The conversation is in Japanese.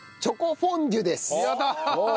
チョコフォンデュ。